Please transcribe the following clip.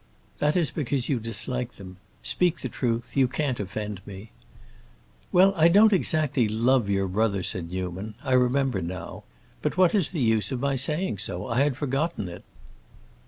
"That is because you dislike them. Speak the truth; you can't offend me." "Well, I don't exactly love your brother," said Newman. "I remember now. But what is the use of my saying so? I had forgotten it."